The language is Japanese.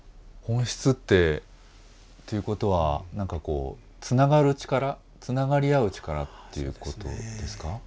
本質っていうことはつながる力つながり合う力っていうことですか？